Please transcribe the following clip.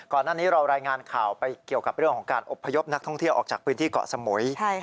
ก่อนหน้านี้เรารายงานข่าวไปเกี่ยวกับเรื่องของการอบพยพนักท่องเที่ยวออกจากพื้นที่เกาะสมุย